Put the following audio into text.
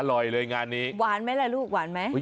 อร่อยเลยงานนี้หวานไหมล่ะลูกหวานไหม